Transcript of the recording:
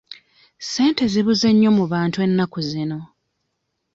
Ssente zibuze nnyo mu bantu ennaku zino.